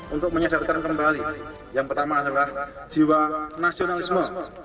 untuk menyadarkan kembali yang pertama adalah jiwa nasionalisme